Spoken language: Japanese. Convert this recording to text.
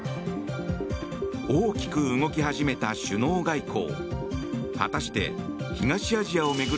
大きく動き始めた首脳外交。